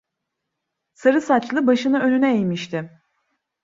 Sarı saçlı başını önüne eğmişti.